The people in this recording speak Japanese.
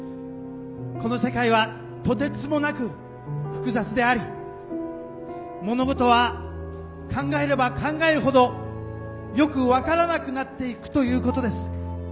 この世界はとてつもなく複雑であり物事は考えれば考えるほどよく分からなくなってゆくということです。